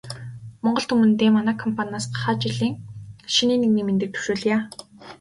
Монгол түмэндээ манай компаниас гахай жилийн шинийн нэгний мэндийг дэвшүүлье.